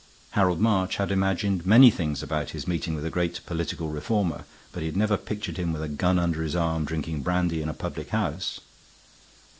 Harold March had imagined many things about his meeting with the great political reformer, but he had never pictured him with a gun under his arm, drinking brandy in a public house.